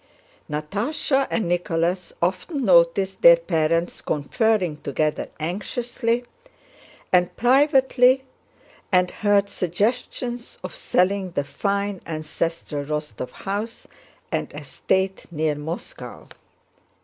Natásha and Nicholas often noticed their parents conferring together anxiously and privately and heard suggestions of selling the fine ancestral Rostóv house and estate near Moscow.